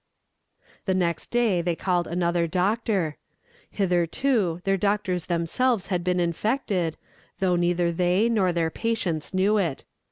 The next day they called another doctor. Hitherto, their doctors themselves had been infected, though neither they nor their patients knew it.